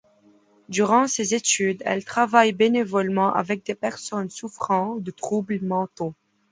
Durant ses études, elle travaille, bénévolement, avec des personnes souffrant de troubles mentaux.